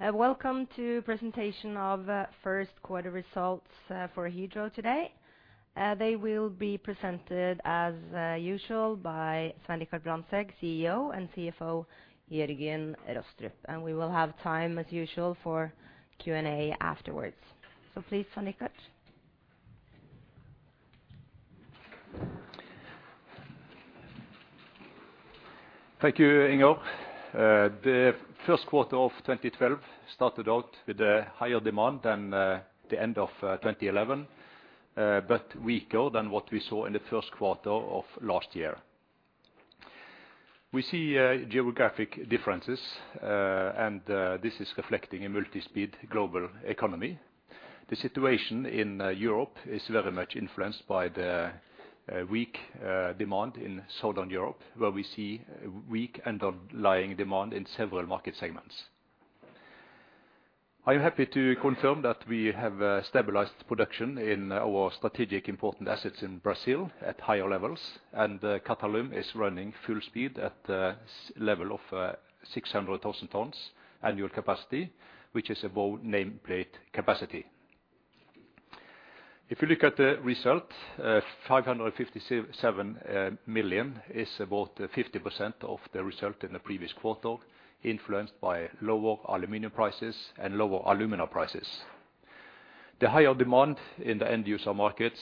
Hi. Welcome to presentation of first quarter results for Hydro today. They will be presented as usual by Svein Richard Brandtzæg, CEO, and CFO Jørgen Rostrup. We will have time as usual for Q&A afterwards. Please, Svein Richard. Thank you, Inger. The first quarter of 2012 started out with a higher demand than the end of 2011, but weaker than what we saw in the first quarter of last year. We see geographic differences, and this is reflecting a multi-speed global economy. The situation in Europe is very much influenced by the weak demand in Southern Europe, where we see weak underlying demand in several market segments. I'm happy to confirm that we have stabilized production in our strategic important assets in Brazil at higher levels, and Qatalum is running full speed at the level of 600,000 tons annual capacity, which is about nameplate capacity. If you look at the result, 557 million is about 50% of the result in the previous quarter, influenced by lower aluminum prices and lower alumina prices. The higher demand in the end user markets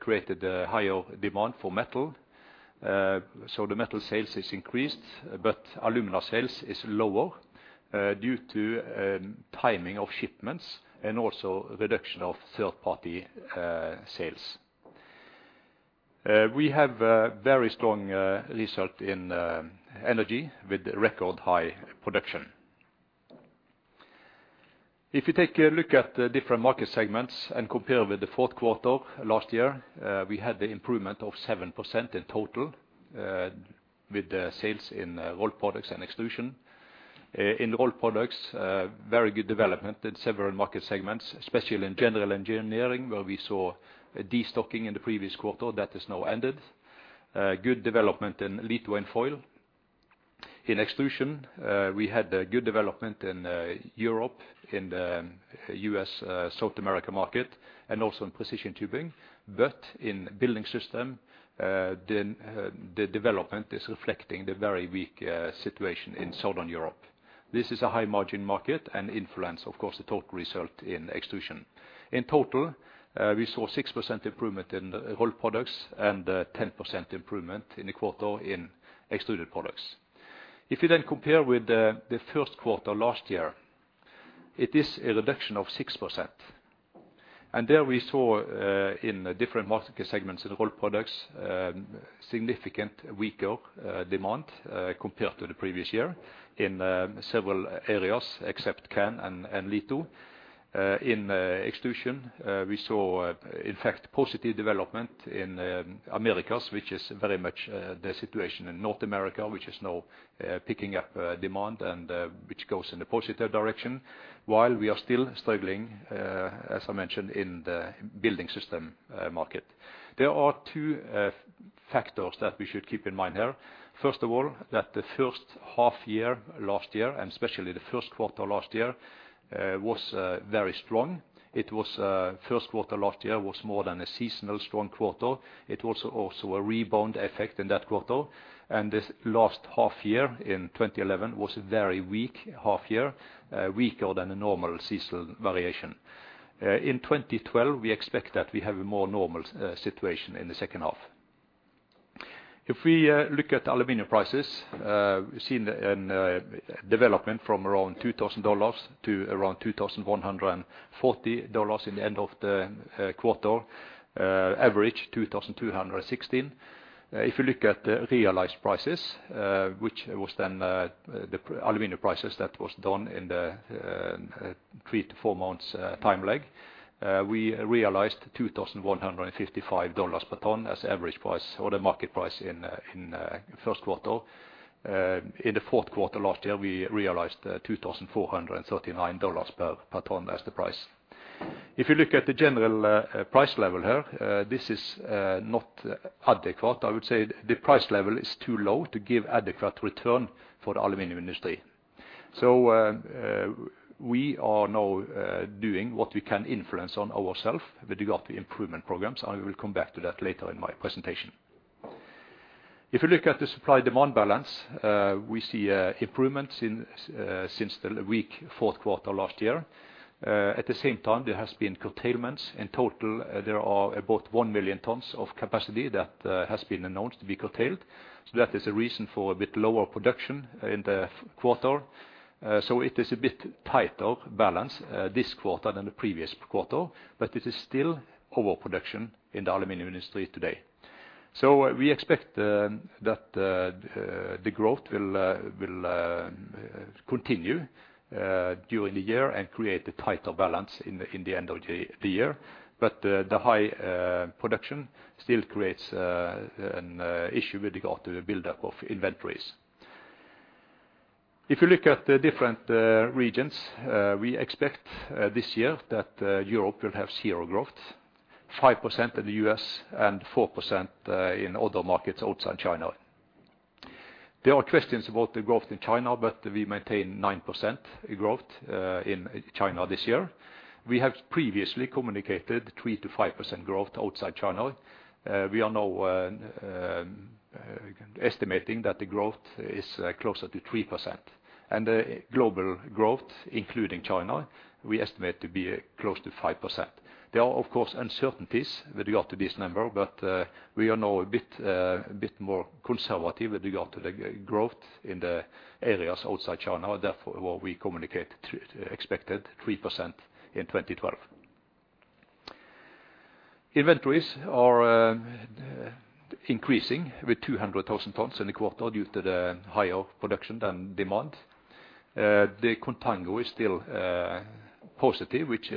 created a higher demand for metal. The metal sales is increased, but alumina sales is lower due to timing of shipments and also reduction of third-party sales. We have very strong result in energy with record high production. If you take a look at the different market segments and compare with the fourth quarter last year, we had the improvement of 7% in total with the sales in Rolled Products and Extruded Products. In Rolled Products, very good development in several market segments, especially in general engineering, where we saw a destocking in the previous quarter that has now ended. Good development in litho and foil. In extrusion, we had a good development in Europe, in the U.S., South America market, and also in precision tubing. In Building System, the development is reflecting the very weak situation in Southern Europe. This is a high margin market and influences, of course, the total result in extrusion. In total, we saw 6% improvement in the Rolled Products and 10% improvement in the quarter in Extruded Products. If you then compare with the first quarter last year, it is a reduction of 6%. There we saw in the different market segments in Rolled Products, significantly weaker demand compared to the previous year in several areas except can and litho. In extrusion, we saw, in fact, positive development in Americas, which is very much the situation in North America, which is now picking up demand and which goes in a positive direction, while we are still struggling, as I mentioned, in the Building System market. There are two factors that we should keep in mind here. First of all, that the first half year last year, and especially the first quarter last year, was very strong. It was first quarter last year was more than a seasonal strong quarter. It was also a rebound effect in that quarter. This last half year in 2011 was a very weak half year, weaker than a normal seasonal variation. In 2012, we expect that we have a more normal situation in the second half. If we look at aluminum prices, we've seen a development from around $2,000 to around $2,140 in the end of the quarter, average $2,216. If you look at the realized prices, which was then the aluminum prices that was done in the three to four months time lag, we realized $2,155 per ton as average price or the market price in first quarter. In the fourth quarter last year, we realized $2,439 per ton as the price. If you look at the general price level here, this is not adequate. I would say the price level is too low to give adequate return for the aluminum industry. We are now doing what we can influence on ourselves with regard to improvement programs, and we will come back to that later in my presentation. If you look at the supply-demand balance, we see improvements since the weak fourth quarter last year. At the same time, there has been curtailments. In total, there are about 1,000,000 tons of capacity that has been announced to be curtailed. That is a reason for a bit lower production in the quarter. It is a bit tighter balance this quarter than the previous quarter, but it is still overproduction in the aluminum industry today. We expect that the growth will continue during the year and create a tighter balance in the end of the year. The high production still creates an issue with regard to the buildup of inventories. If you look at the different regions, we expect this year that Europe will have zero growth. 5% in the U.S. and 4% in other markets outside China. There are questions about the growth in China, but we maintain 9% growth in China this year. We have previously communicated 3%-5% growth outside China. We are now estimating that the growth is closer to 3%. The global growth, including China, we estimate to be close to 5%. There are, of course, uncertainties with regard to this number, but we are now a bit more conservative with regard to the growth in the areas outside China. Therefore, we communicate expected 3% in 2012. Inventories are increasing with 200,000 tons in the quarter due to the higher production than demand. The contango is still positive, which,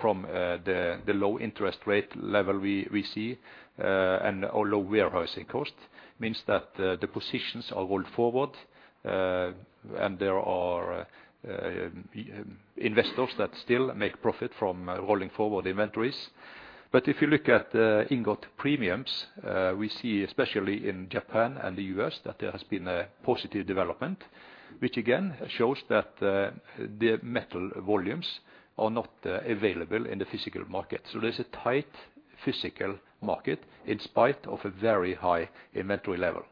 from the low interest rate level we see and our low warehousing cost means that the positions are rolled forward. There are investors that still make profit from rolling forward inventories. If you look at ingot premiums, we see especially in Japan and the U.S. that there has been a positive development, which again shows that the metal volumes are not available in the physical market. There's a tight physical market in spite of a very high inventory level.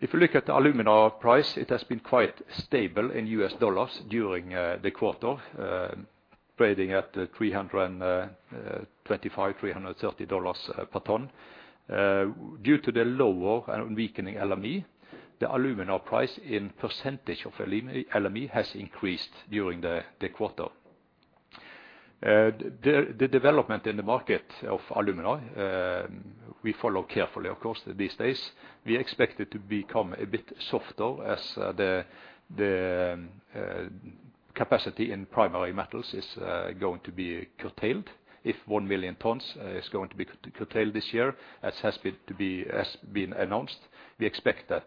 If you look at the alumina price, it has been quite stable in US dollars during the quarter, trading at $325-$330 per ton. Due to the lower and weakening LME, the alumina price in percentage of LME has increased during the quarter. The development in the market of alumina, we follow carefully, of course, these days. We expect it to become a bit softer as the capacity in Primary Metal is going to be curtailed. If 1 million tons is going to be curtailed this year, as has been announced, we expect that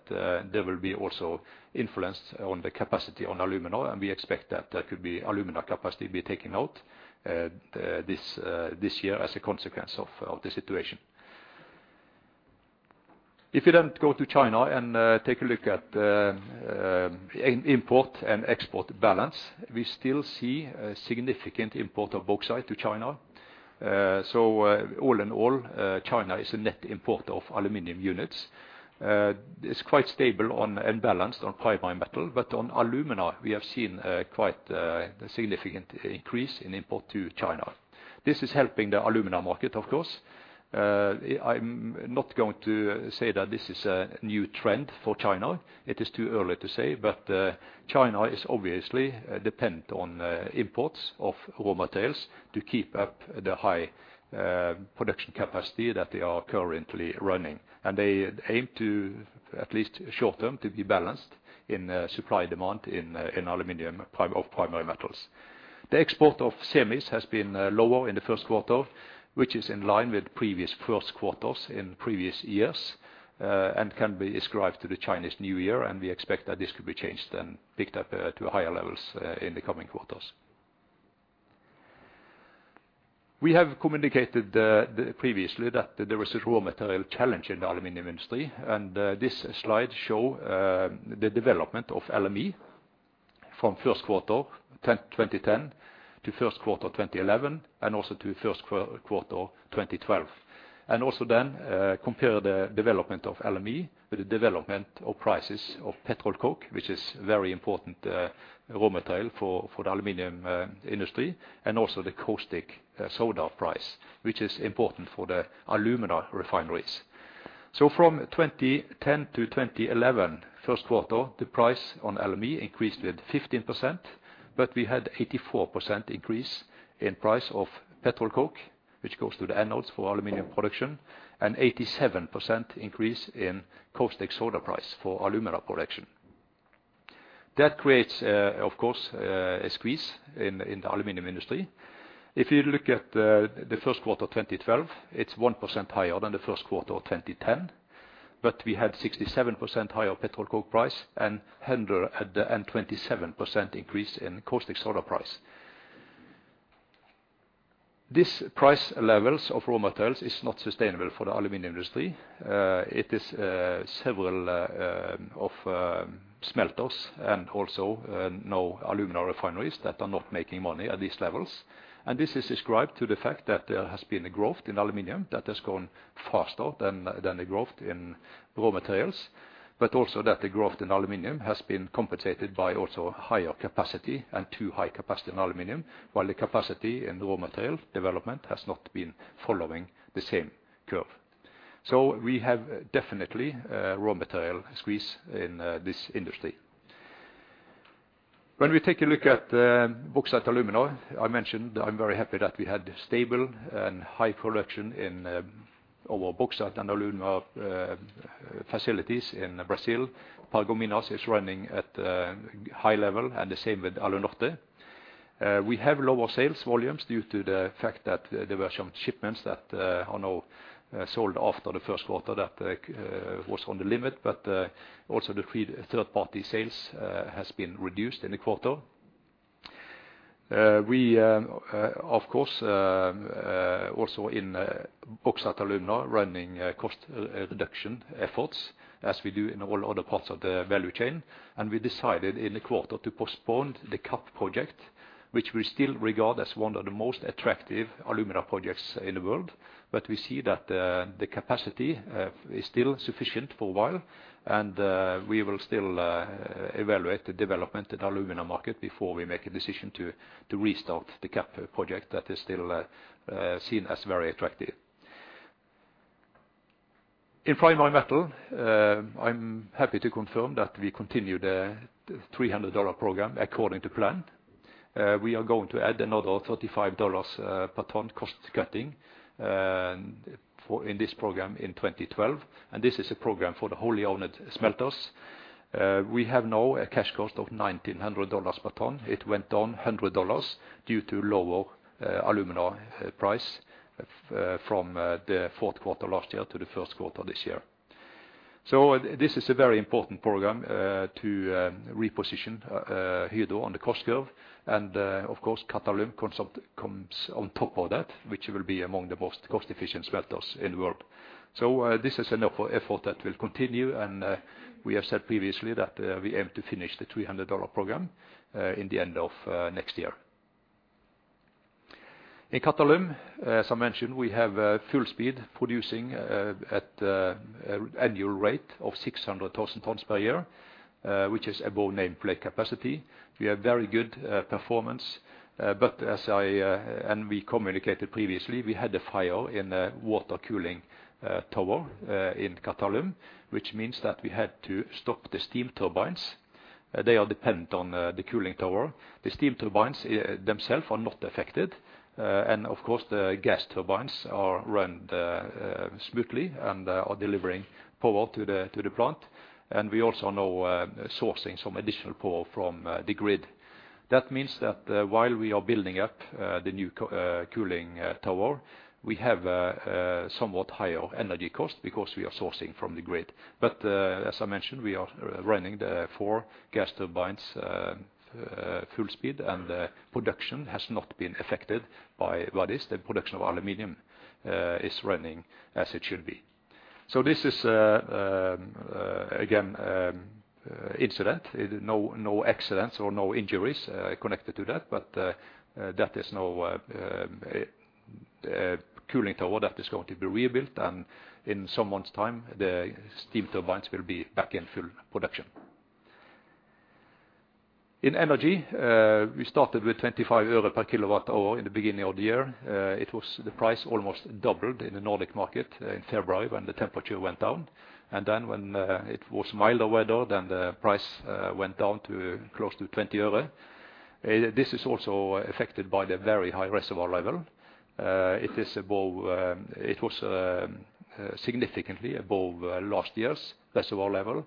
there will be also influence on the capacity on alumina, and we expect that there could be alumina capacity be taken out this year as a consequence of the situation. If you then go to China and take a look at import and export balance, we still see a significant import of bauxite to China. All in all, China is a net importer of aluminum units. It's quite stable on and balanced on Primary Metal, but on alumina we have seen quite a significant increase in import to China. This is helping the alumina market, of course. I'm not going to say that this is a new trend for China. It is too early to say, but China is obviously dependent on imports of raw materials to keep up the high production capacity that they are currently running. They aim to, at least short-term, to be balanced in supply-demand in aluminum of Primary Metals. The export of semis has been lower in the first quarter, which is in line with previous first quarters in previous years, and can be ascribed to the Chinese New Year, and we expect that this could be changed and picked up to higher levels in the coming quarters. We have communicated previously that there was a raw material challenge in the aluminum industry, and this slide shows the development of LME from first quarter 2010 to first quarter 2011 and also to first quarter 2012. Compare the development of LME with the development of prices of petroleum coke, which is very important raw material for the aluminum industry, and also the caustic soda price, which is important for the alumina refineries. From 2010-2011 first quarter, the price on LME increased with 15%, but we had 84% increase in price of petroleum coke, which goes to the anodes for aluminum production, and 87% increase in caustic soda price for alumina production. That creates, of course, a squeeze in the aluminum industry. If you look at the first quarter 2012, it's 1% higher than the first quarter of 2010, but we had 67% higher petroleum coke price and 127% increase in caustic soda price. These price levels of raw materials is not sustainable for the aluminum industry. It is several smelters and also now alumina refineries that are not making money at these levels. This is ascribed to the fact that there has been a growth in aluminum that has gone faster than the growth in raw materials, but also that the growth in aluminum has been accompanied by also higher capacity and too high capacity in aluminum, while the capacity in raw material development has not been following the same curve. We have definitely a raw material squeeze in this industry. When we take a look at Bauxite & Alumina, I mentioned I'm very happy that we had stable and high production in our Bauxite & Alumina facilities in Brazil. Paragominas is running at high level and the same with Alunorte. We have lower sales volumes due to the fact that there were some shipments that are now sold after the first quarter that was on the limit, but also the third-party sales has been reduced in the quarter. We, of course, also in Bauxite & Alumina running a cost-reduction efforts as we do in all other parts of the value chain. We decided in the quarter to postpone the CAP project, which we still regard as one of the most attractive alumina projects in the world. We see that the capacity is still sufficient for a while. We will still evaluate the development in the alumina market before we make a decision to restart the CAP project that is still seen as very attractive. In Primary Metal, I'm happy to confirm that we continue the $300 program according to plan. We are going to add another $35 per ton cost-cutting in this program in 2012. This is a program for the wholly owned smelters. We have now a cash cost of $1,900 per ton. It went down $100 due to lower alumina price from the fourth quarter last year to the first quarter this year. This is a very important program to reposition Hydro on the cost curve. Of course, Qatalum comes on top of that, which will be among the most cost-efficient smelters in the world. This is an effort that will continue. We have said previously that we aim to finish the 300 dollar program in the end of next year. In Qatalum, as I mentioned, we have full speed producing at an annual rate of 600,000 tons per year, which is above nameplate capacity. We have very good performance. But as we communicated previously, we had a fire in the water cooling tower in Qatalum, which means that we had to stop the steam turbines. They are dependent on the cooling tower. The steam turbines themselves are not affected. Of course the gas turbines are run smoothly and are delivering power to the plant. We also now sourcing some additional power from the grid. That means that while we are building up the new cooling tower, we have a somewhat higher energy cost because we are sourcing from the grid. As I mentioned, we are running the four gas turbines full speed, and the production has not been affected. The production of aluminum is running as it should be. This is again incident. No accidents or injuries connected to that. That is now a cooling tower that is going to be rebuilt, and in some months' time, the steam turbines will be back in full production. In energy, we started with 25 euro per kWh in the beginning of the year. It was the price almost doubled in the Nordic market in February when the temperature went down. Then when it was milder weather, then the price went down to close to 20 euro. This is also affected by the very high reservoir level. It is above, it was significantly above last year's reservoir level,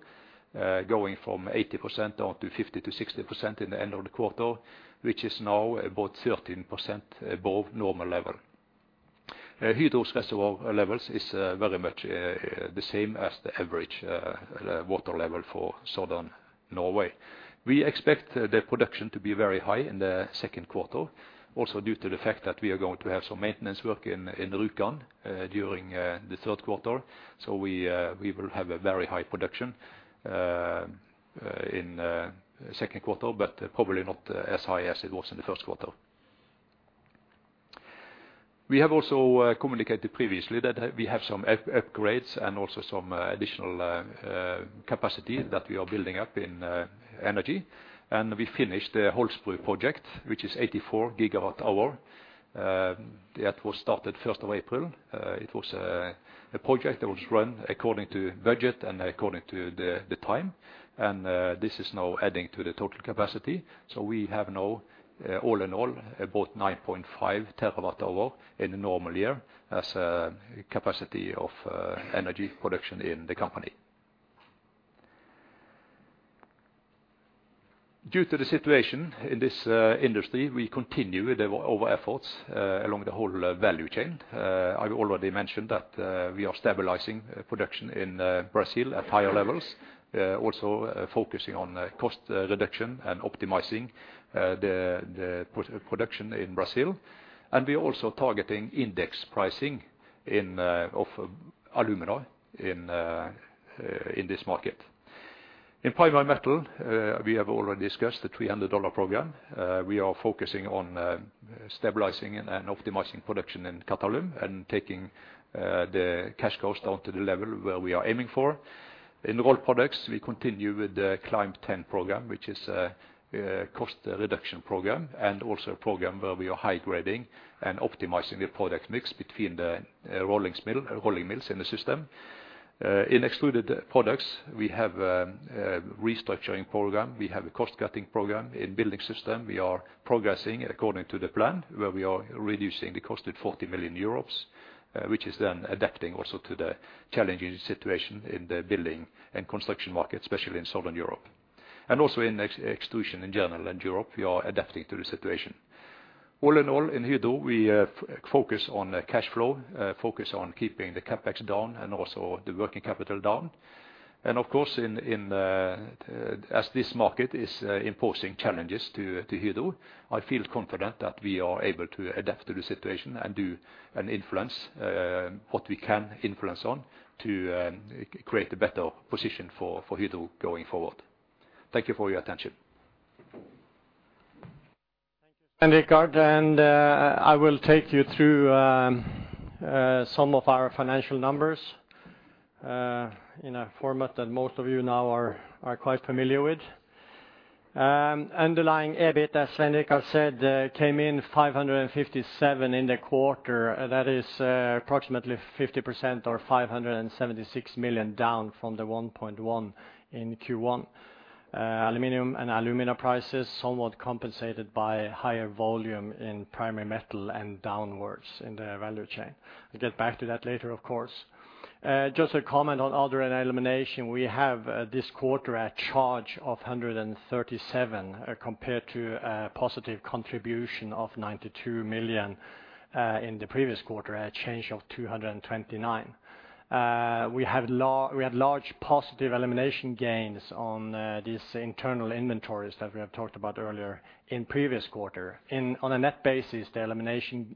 going from 80% down to 50%-60% in the end of the quarter, which is now about 13% above normal level. Hydro's reservoir levels is very much the same as the average water level for Southern Norway. We expect the production to be very high in the second quarter, also due to the fact that we are going to have some maintenance work in Rjukan during the third quarter. We will have a very high production in second quarter, but probably not as high as it was in the first quarter. We have also communicated previously that we have some upgrades and also some additional capacity that we are building up in energy. We finished the Holsbru project, which is 84 GWh. That was started first of April. It was a project that was run according to budget and according to the time. This is now adding to the total capacity. We have now all in all about 9.5 TWh in a normal year as a capacity of energy production in the company. Due to the situation in this industry, we continue with our efforts along the whole value chain. I've already mentioned that we are stabilizing production in Brazil at higher levels. Also focusing on cost reduction and optimizing the production in Brazil. We are also targeting index pricing of alumina in this market. In Primary Metal, we have already discussed the 300-dollar program. We are focusing on stabilizing and optimizing production in Qatalum and taking the cash costs down to the level where we are aiming for. In Rolled Products, we continue with the Climb 10 program, which is a cost reduction program and also a program where we are high-grading and optimizing the product mix between the rolling mill, rolling mills in the system. In Extruded Products, we have a restructuring program. We have a cost-cutting program. In Building System, we are progressing according to the plan, where we are reducing the cost to 40 million euros, which is then adapting also to the challenging situation in the building and construction market, especially in Southern Europe. Also in extrusion in general in Europe, we are adapting to the situation. All in all, in Hydro, we focus on the cash flow, focus on keeping the CapEx down and also the working capital down. Of course, in the... As this market is imposing challenges to Hydro, I feel confident that we are able to adapt to the situation and influence what we can to create a better position for Hydro going forward. Thank you for your attention. Thank you, Svein Richard. I will take you through some of our financial numbers in a format that most of you now are quite familiar with. Underlying EBIT, as Svein Richard said, came in 557 million in the quarter. That is approximately 50% or 576 million down from 1.1 billion in Q1. Aluminum and alumina prices somewhat compensated by higher volume in Primary Metal and downstream in the value chain. We'll get back to that later, of course. Just a comment on other and eliminations. We have this quarter a charge of 137 million compared to a positive contribution of 92 million in the previous quarter, a change of 229 million. We had large positive elimination gains on these internal inventories that we have talked about earlier in previous quarter. On a net basis, the elimination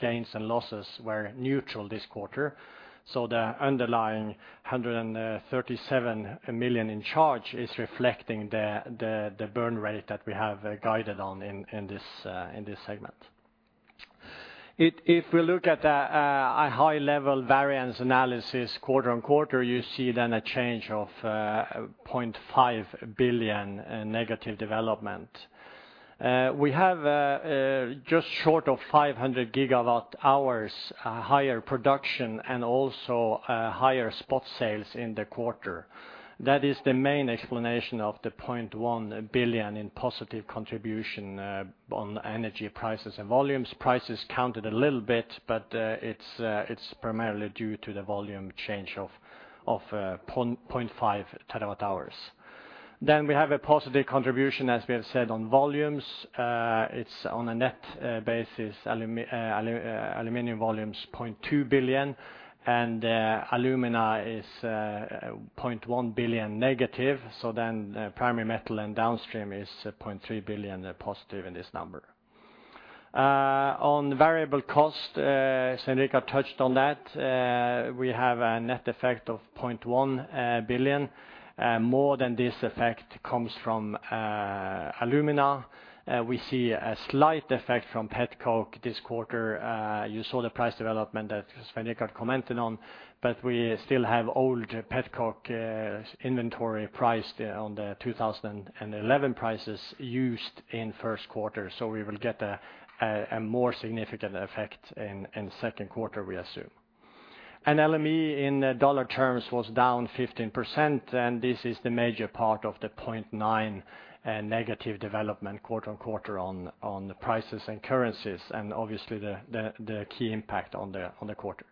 gains and losses were neutral this quarter, so the underlying 137 million in charge is reflecting the burn rate that we have guided on in this segment. If we look at a high level variance analysis quarter-on-quarter, you see then a change of 0.5 billion negative development. We have just short of 500 GWh higher production and also higher spot sales in the quarter. That is the main explanation of the 0.1 billion in positive contribution on energy prices and volumes. Prices counted a little bit, but it's primarily due to the volume change of 0.5 TWh. We have a positive contribution, as we have said on volumes. It's on a net basis, aluminum volume's 0.2 billion, and alumina is 0.1 billion negative. Primary Metal and downstream is 0.3 billion positive in this number. On variable cost, Svein Richard touched on that. We have a net effect of 0.1 billion. More than this effect comes from alumina. We see a slight effect from petcoke this quarter. You saw the price development that Svein Richard commented on, but we still have old petcoke inventory priced on the 2011 prices used in first quarter, so we will get a more significant effect in the second quarter, we assume. LME in dollar terms was down 15%, and this is the major part of the 0.9 negative development quarter-on-quarter on the prices and currencies, and obviously the key impact on the quarter.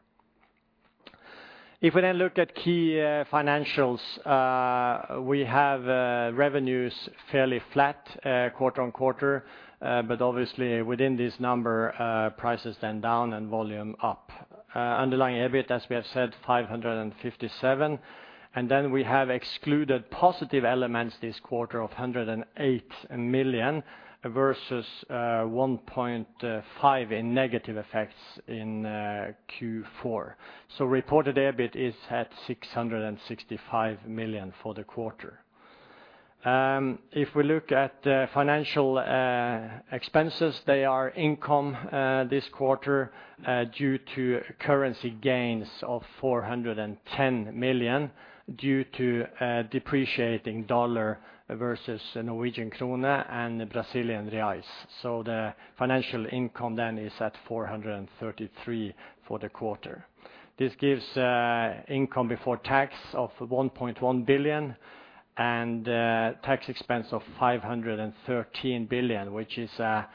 If we look at key financials, we have revenues fairly flat quarter-on-quarter, but obviously within this number, prices then down and volume up. Underlying EBIT, as we have said, 557. We have excluded positive elements this quarter of 108 million versus 1.5 in negative effects in Q4. Reported EBIT is at 665 million for the quarter. If we look at financial expenses, they are income this quarter due to currency gains of 410 million due to a depreciating dollar versus Norwegian krone and Brazilian reais. The financial income then is at 433 million for the quarter. This gives income before tax of 1.1 billion and tax expense of 513 million, which is at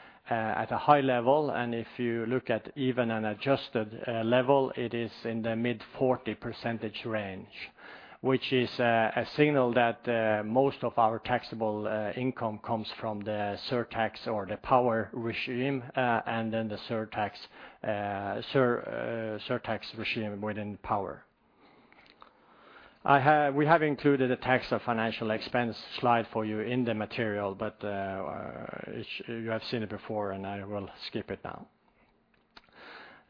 a high level. If you look at even an adjusted level, it is in the mid-40% range, which is a signal that most of our taxable income comes from the surtax or the power regime, and then the surtax regime within power. We have included a tax of financial expense slide for you in the material, but you have seen it before, and I will skip it now.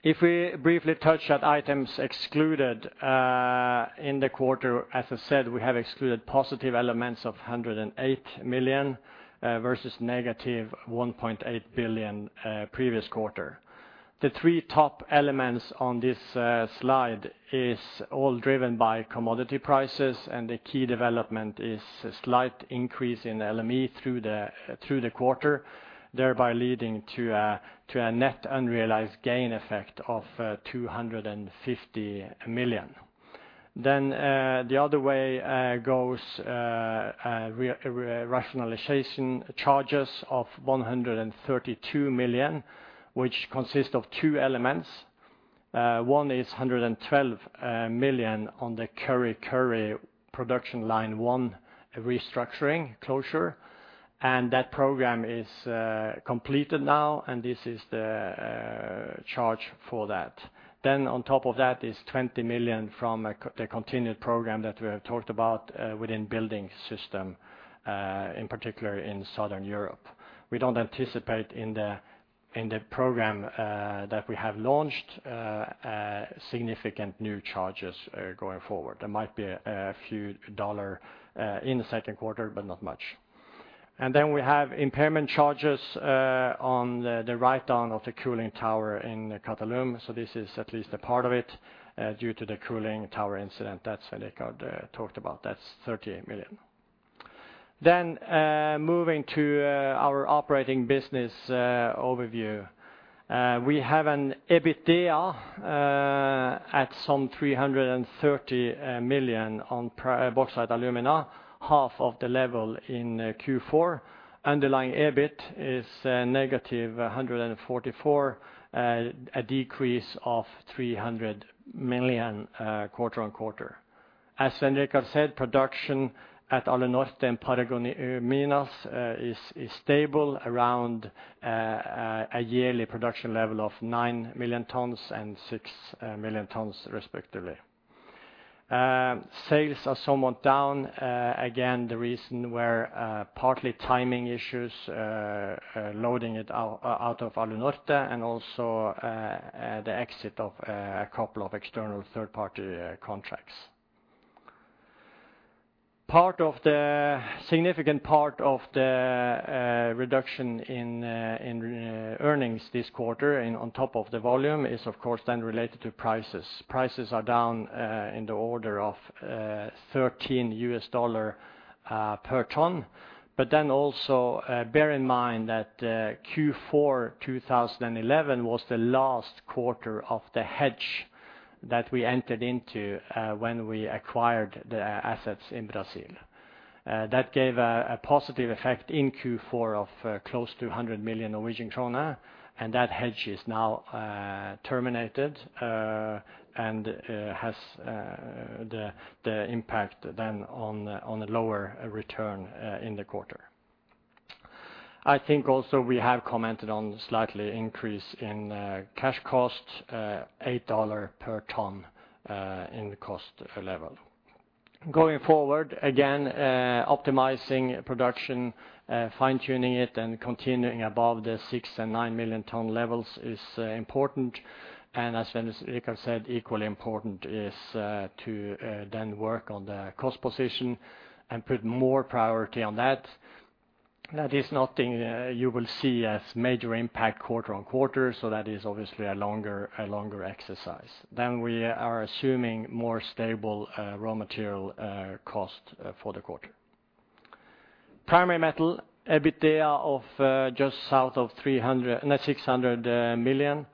If we briefly touch at items excluded in the quarter, as I said, we have excluded positive elements of 108 million versus negative 1.8 billion previous quarter. The three top elements on this slide is all driven by commodity prices, and the key development is a slight increase in LME through the quarter, thereby leading to a net unrealized gain effect of 250 million. The other way goes rationalization charges of 132 million, which consists of two elements. One is 112 million on the Kurri Kurri production line one restructuring closure, and that program is completed now, and this is the charge for that. On top of that is 20 million from the continued program that we have talked about within Building System, in particular in Southern Europe. We don't anticipate in the program that we have launched a significant new charges going forward. There might be a few dollars in the second quarter, but not much. Then we have impairment charges on the write-down of the cooling tower in Qatalum, so this is at least a part of it due to the cooling tower incident that Svein Richard talked about. That's 38 million. Then moving to our operating business overview. We have an EBITDA at some 330 million on Bauxite & Alumina, half of the level in Q4. Underlying EBIT is -144, a decrease of 300 million quarter-over-quarter. As Svein Richard said, production at Alunorte and Paragominas is stable around a yearly production level of 9 million tons and 6 million tons respectively. Sales are somewhat down. Again, the reason were partly timing issues, loading it out of Alunorte and also the exit of a couple of external third-party contracts. Part of the significant part of the reduction in earnings this quarter and on top of the volume is of course then related to prices. Prices are down in the order of $13 per ton. Bear in mind that Q4 2011 was the last quarter of the hedge that we entered into when we acquired the assets in Brazil. That gave a positive effect in Q4 of close to 100 million Norwegian krone, and that hedge is now terminated and the impact then on the lower return in the quarter. I think also we have commented on slightly increase in cash costs $8 per ton in the cost level. Going forward, optimizing production fine-tuning it and continuing above the 6- and 9-million-ton levels is important. As Svein Richard said, equally important is to then work on the cost position and put more priority on that. That is nothing you will see as major impact quarter-on-quarter, so that is obviously a longer exercise. We are assuming more stable raw material cost for the quarter. Primary Metal EBITDA of just south of 300 net 600 million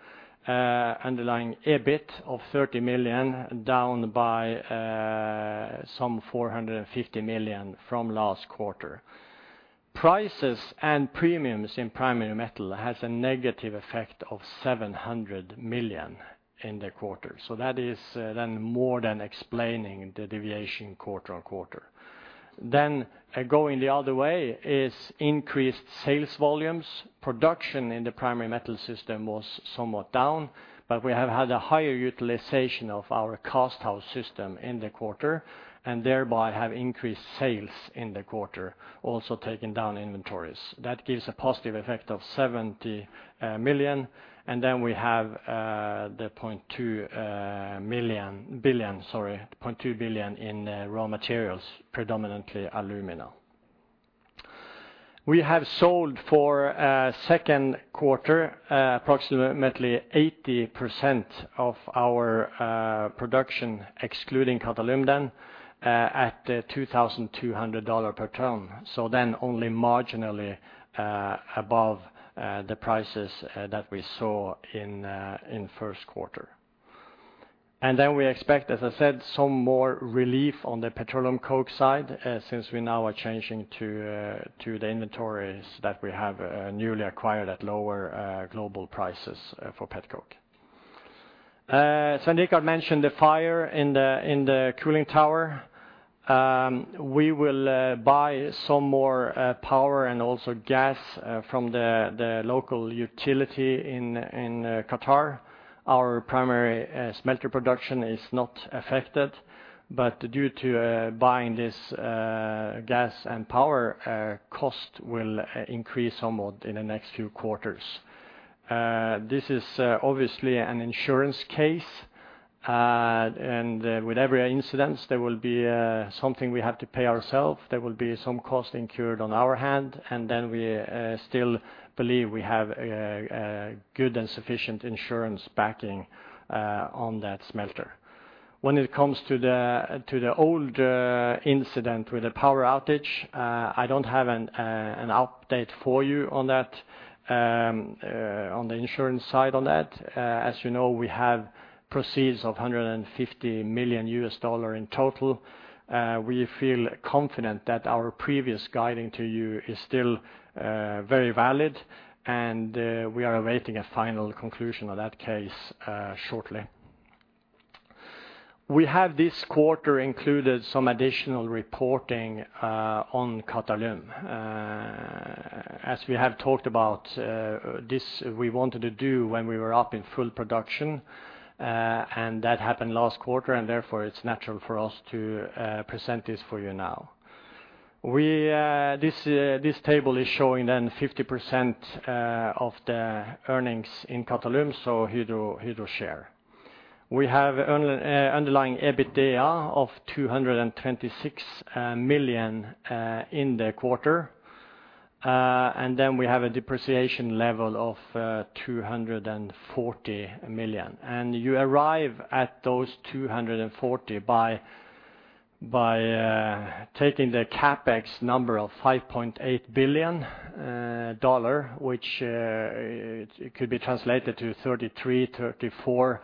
underlying EBIT of 30 million, down by some 450 million from last quarter. Prices and premiums in Primary Metal has a negative effect of 700 million in the quarter. That is then more than explaining the deviation quarter-on-quarter. Going the other way is increased sales volumes. Production in the Primary Metal was somewhat down, but we have had a higher utilization of our casthouse in the quarter, and thereby have increased sales in the quarter, also taking down inventories. That gives a positive effect of 70 million. We have the 0.2 billion in raw materials, predominantly alumina. We have sold for second quarter approximately 80% of our production, excluding Qatalum, at $2,200 per ton. Only marginally above the prices that we saw in first quarter. We expect, as I said, some more relief on the petroleum coke side, since we now are changing to the inventories that we have newly acquired at lower global prices for petcoke. Svein Richard mentioned the fire in the cooling tower. We will buy some more power and also gas from the local utility in Qatar. Our primary smelter production is not affected, but due to buying this gas and power, cost will increase somewhat in the next few quarters. This is obviously an insurance case. With every incidents, there will be something we have to pay ourselves. There will be some cost incurred on our hands, and then we still believe we have a good and sufficient insurance backing on that smelter. When it comes to the old incident with the power outage, I don't have an update for you on that on the insurance side on that. As you know, we have proceeds of $150 million in total. We feel confident that our previous guidance to you is still very valid, and we are awaiting a final conclusion of that case shortly. We have this quarter included some additional reporting on Qatalum. As we have talked about, this we wanted to do when we were up in full production. That happened last quarter, and therefore it's natural for us to present this for you now. This table is showing 50% of the earnings in Qatalum, so Hydro share. We have underlying EBITDA of $226 million in the quarter. We have a depreciation level of $240 million. You arrive at those $240 million by taking the CapEx number of $5.8 billion, which it could be translated to 33 billion-34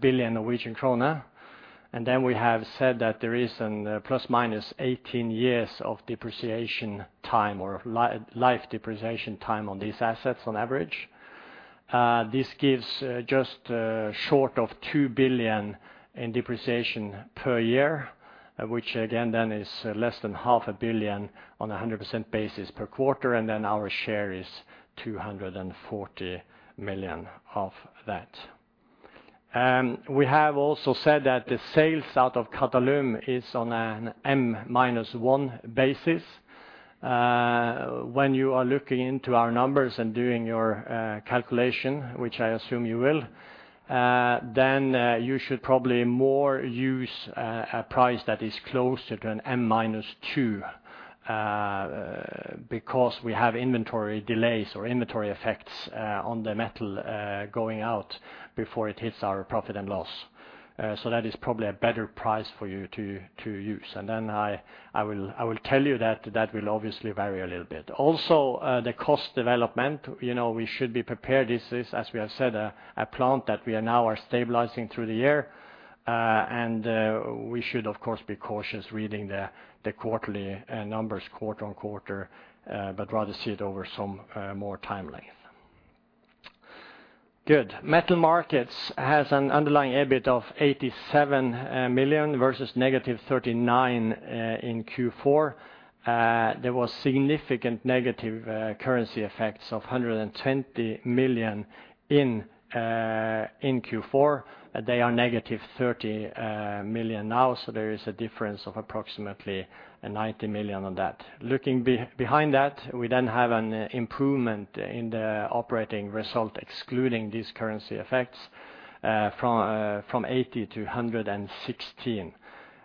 billion Norwegian krone. We have said that there is ±18 years of depreciation time or life depreciation time on these assets on average. This gives just short of 2 billion in depreciation per year, which again then is less than half a billion on a 100% basis per quarter, and then our share is 240 million of that. We have also said that the sales out of Qatalum is on an M-1 basis. When you are looking into our numbers and doing your calculation, which I assume you will, then you should probably more use a price that is closer to an M-2, because we have inventory delays or inventory effects on the metal going out before it hits our profit and loss. So that is probably a better price for you to use. Then I will tell you that that will obviously vary a little bit. The cost development, you know, we should be prepared. This is, as we have said, a plant that we are now stabilizing through the year. We should of course be cautious reading the quarterly numbers quarter-over-quarter, but rather see it over some more time length. Good. Metal Markets has an underlying EBIT of 87 million versus negative 39 million in Q4. There was significant negative currency effects of 120 million in Q4. They are negative 30 million now, so there is a difference of approximately 90 million on that. Looking behind that, we have an improvement in the operating result, excluding these currency effects, from 80-116,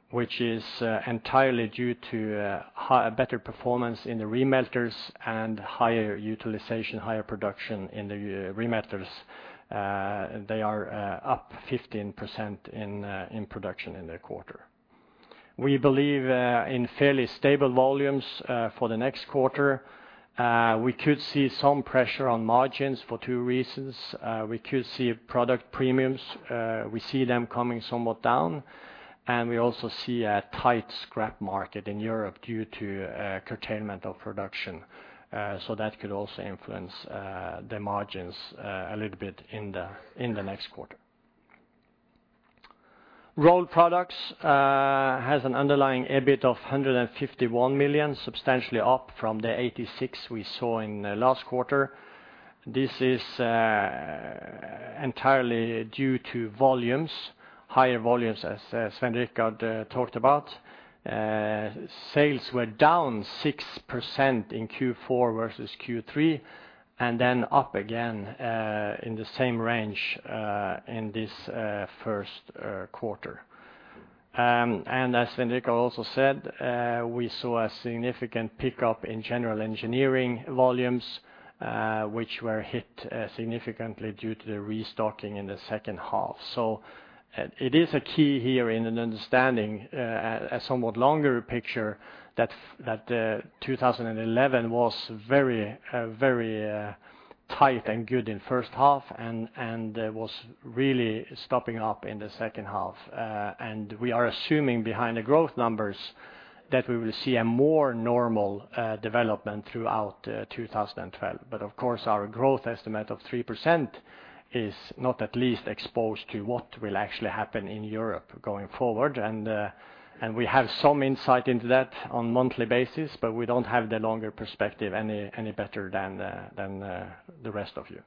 which is entirely due to better performance in the remelters and higher utilization, higher production in the remelters. They are up 15% in production in the quarter. We believe in fairly stable volumes for the next quarter. We could see some pressure on margins for two reasons. We could see product premiums. We see them coming somewhat down, and we also see a tight scrap market in Europe due to curtailment of production. That could also influence the margins a little bit in the next quarter. Rolled Products has an underlying EBIT of 151 million, substantially up from the 86 million we saw in the last quarter. This is entirely due to volumes, higher volumes as Svein Richard talked about. Sales were down 6% in Q4 versus Q3, and then up again in the same range in this first quarter. As Svein Richard also said, we saw a significant pickup in general engineering volumes, which were hit significantly due to the restocking in the second half. It is a key here in an understanding a somewhat longer picture that that 2011 was very tight and good in first half and was really stocking up in the second half. We are assuming behind the growth numbers that we will see a more normal development throughout 2012. Of course, our growth estimate of 3% is not least exposed to what will actually happen in Europe going forward. We have some insight into that on a monthly basis, but we don't have the longer perspective any better than the rest of you.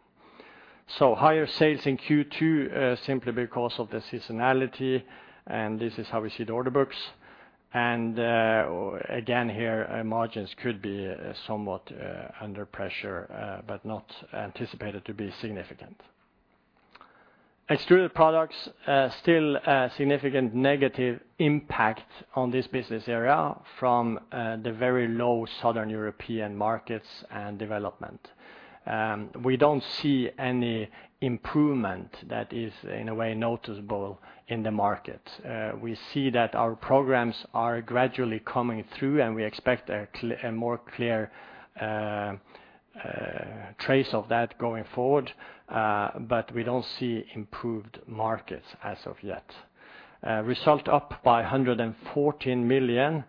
Higher sales in Q2 simply because of the seasonality, and this is how we see the order books. Again, here, margins could be somewhat under pressure, but not anticipated to be significant. Extruded Products still a significant negative impact on this business area from the very low Southern European markets and development. We don't see any improvement that is in a way noticeable in the market. We see that our programs are gradually coming through, and we expect a more clear trace of that going forward, but we don't see improved markets as of yet. Result up by 114 million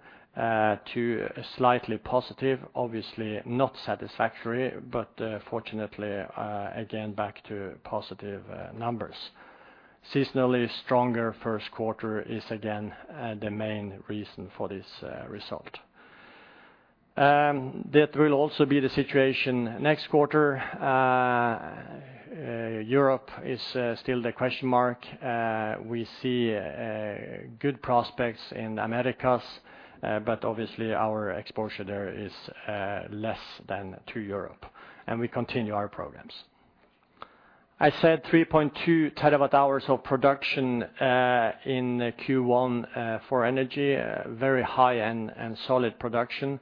to slightly positive, obviously not satisfactory, but fortunately, again, back to positive numbers. Seasonally stronger first quarter is again the main reason for this result. That will also be the situation next quarter. Europe is still the question mark. We see good prospects in Americas, but obviously our exposure there is less than to Europe, and we continue our programs. I said 3.2 TWh of production in Q1 for energy, very high and solid production,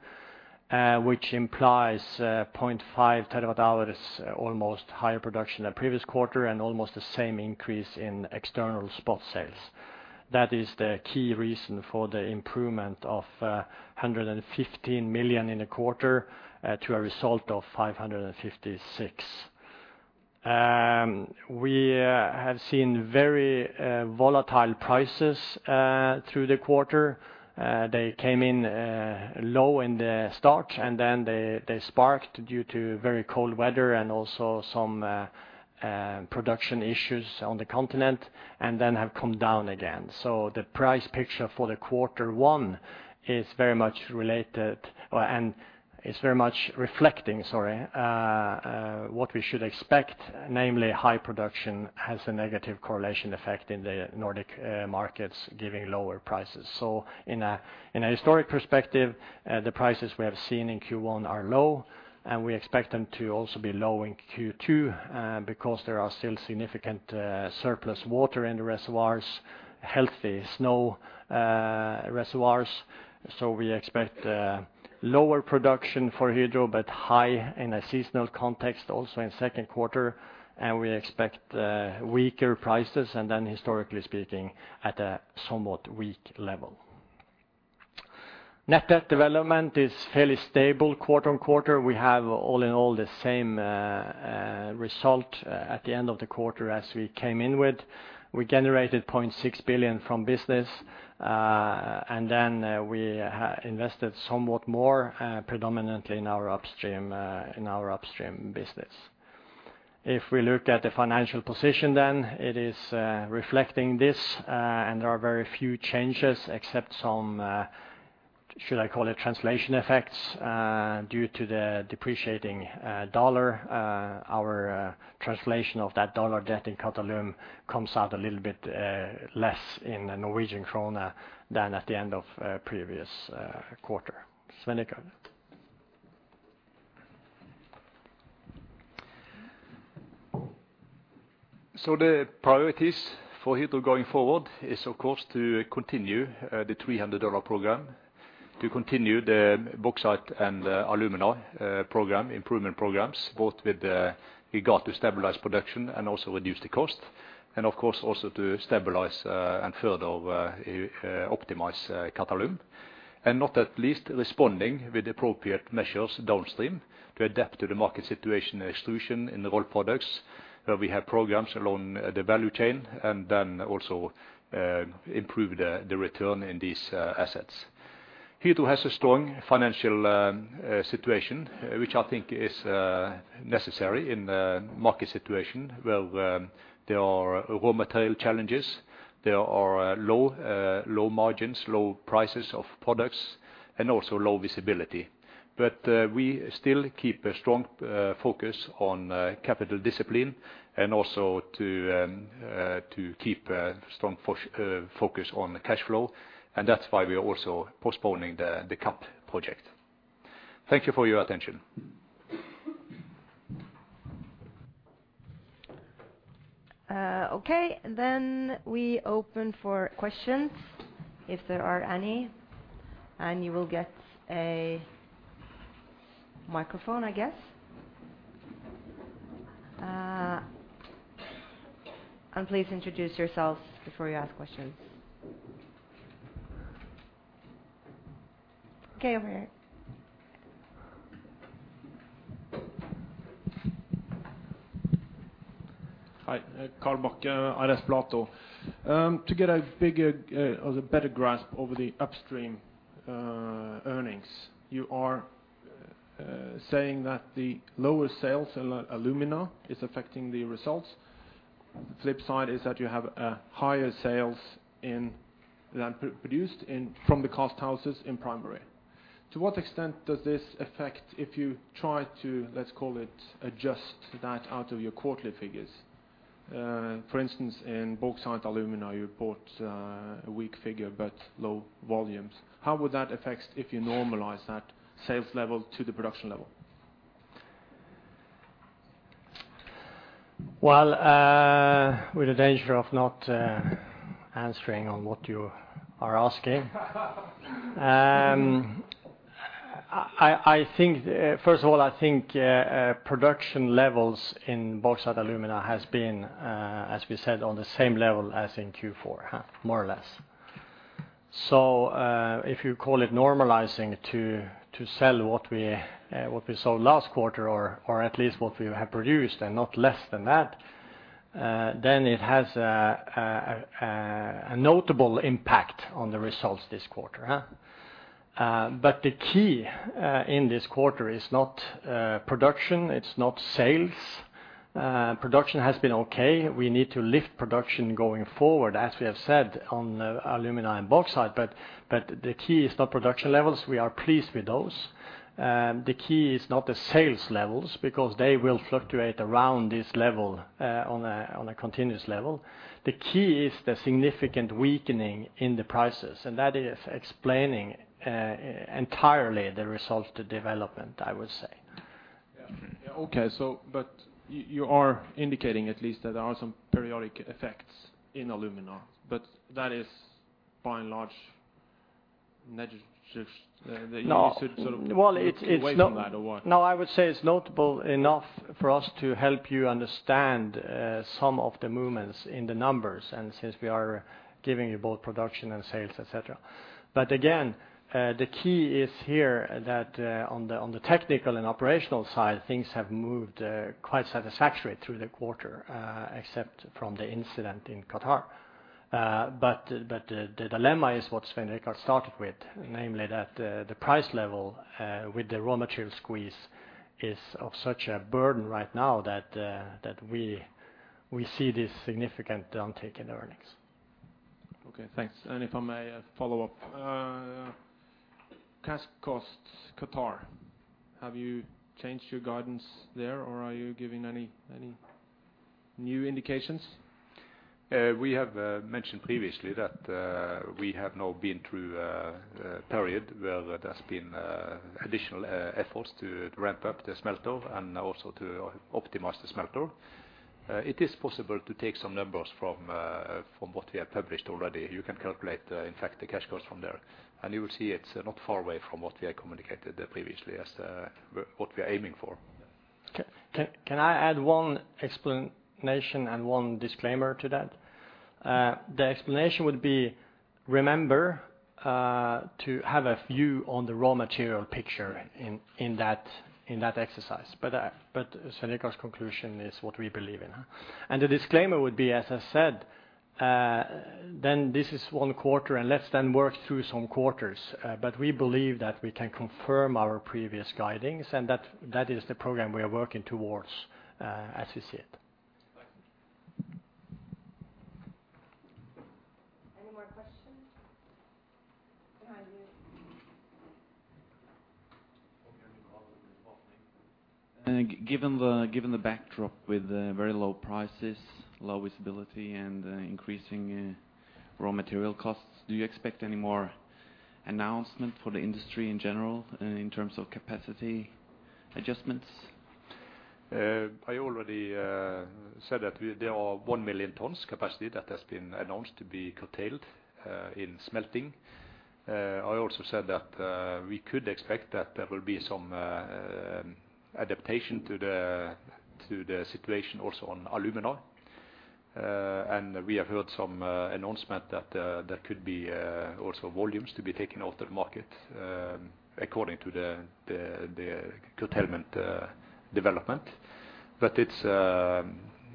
which implies 0.5 TWh almost higher production than previous quarter and almost the same increase in external spot sales. That is the key reason for the improvement of 115 million in a quarter to a result of 556 million. We have seen very volatile prices through the quarter. They came in low at the start, and then they spiked due to very cold weather and also some production issues on the continent and then have come down again. The price picture for the quarter one is very much reflecting what we should expect, namely high production has a negative correlation effect in the Nordic markets giving lower prices. In a historical perspective, the prices we have seen in Q1 are low, and we expect them to also be low in Q2 because there are still significant surplus water in the reservoirs, healthy snow reservoirs. We expect lower production for Hydro, but high in a seasonal context also in second quarter, and we expect weaker prices and then historically speaking at a somewhat weak level. Net debt development is fairly stable quarter on quarter. We have all in all the same result at the end of the quarter as we came in with. We generated 0.6 billion from business, and then we invested somewhat more, predominantly in our upstream business. If we look at the financial position then, it is reflecting this, and there are very few changes except some, should I call it translation effects, due to the depreciating dollar. Our translation of that dollar debt in Qatalum comes out a little bit less in the Norwegian krone than at the end of previous quarter. Svein Richard. The priorities for Hydro going forward are of course to continue the $300 program, to continue the Bauxite & Alumina program, improvement programs, both with regard to stabilize production and also reduce the cost. Of course also to stabilize and further optimize Qatalum. Not at least responding with appropriate measures downstream to adapt to the market situation including in the Rolled Products, where we have programs along the value chain and then also improve the return in these assets. Hydro has a strong financial situation, which I think is necessary in the market situation where there are raw material challenges. There are low margins, low prices of products and also low visibility. We still keep a strong focus on capital discipline and also to keep a strong focus on the cash flow, and that's why we are also postponing the CAP project. Thank you for your attention. Okay. We open for questions if there are any, and you will get a microphone, I guess. Please introduce yourselves before you ask questions. Okay, over here. Hi. Carl Bach, RS Platou. To get a bigger or better grasp over the upstream earnings, you are saying that the lower sales in alumina is affecting the results. The flip side is that you have a higher sales than produced in from the casthouses in Primary. To what extent does this affect if you try to, let's call it, adjust that out of your quarterly figures? For instance, in Bauxite & Alumina, you report a weak figure but low volumes. How would that affect if you normalize that sales level to the production level? Well, with the danger of not answering on what you are asking. I think, first of all, production levels in Bauxite & Alumina has been, as we said, on the same level as in Q4, more or less. If you call it normalizing to sell what we sold last quarter or at least what we have produced and not less than that, then it has a notable impact on the results this quarter. But the key in this quarter is not production, it's not sales. Production has been okay. We need to lift production going forward, as we have said on alumina and bauxite. The key is the production levels. We are pleased with those. The key is not the sales levels because they will fluctuate around this level on a continuous level. The key is the significant weakening in the prices, and that is explaining entirely the result, the development, I would say. Yeah. Yeah. Okay. You are indicating at least that there are some periodic effects in alumina, but that is by and large negative. No. You should sort of. Well, it's no- Look away from that or what? No, I would say it's notable enough for us to help you understand some of the movements in the numbers, and since we are giving you both production and sales, et cetera. Again, the key is here that on the technical and operational side, things have moved quite satisfactory through the quarter, except from the incident in Qatar. The dilemma is what Svein Richard started with, namely that the price level with the raw material squeeze is of such a burden right now that we see this significant downtick in earnings. Okay, thanks. If I may follow up. Cash costs Qatar, have you changed your guidance there, or are you giving any new indications? We have mentioned previously that we have now been through a period where there's been additional efforts to ramp up the smelter and also to optimize the smelter. It is possible to take some numbers from what we have published already. You can calculate, in fact, the cash costs from there. You will see it's not far away from what we had communicated previously as what we are aiming for. Can I add one explanation and one disclaimer to that? The explanation would be remember to have a view on the raw material picture in that exercise. Svein Richard conclusion is what we believe in. The disclaimer would be, as I said, this is one quarter, and let's then work through some quarters. We believe that we can confirm our previous guidance, and that is the program we are working towards, as you see it. Thanks. Any more questions? Behind you. Given the backdrop with very low prices, low visibility, and increasing raw material costs, do you expect any more announcement for the industry in general in terms of capacity adjustments? I already said that there are 1 million tons capacity that has been announced to be curtailed in smelting. I also said that we could expect that there will be some adaptation to the situation also on alumina. We have heard some announcement that there could be also volumes to be taken off the market according to the curtailment development.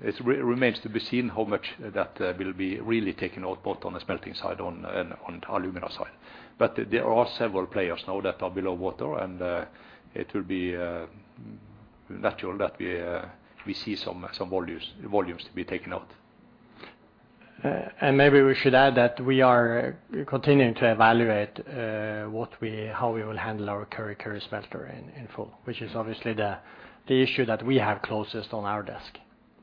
It remains to be seen how much that will be really taken out both on the smelting side and on the alumina side. There are several players now that are underwater, and it will be natural that we see some volumes to be taken out. Maybe we should add that we are continuing to evaluate how we will handle our Kurri Kurri smelter in full, which is obviously the issue that we have closest on our desk.